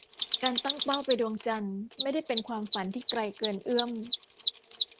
การตั้งเป้าไปดวงจันทร์ ไม่ได้เป็นความฝันที่ไกลเกินเอื้อม